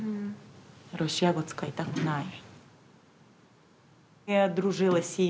ロシア語使いたくない。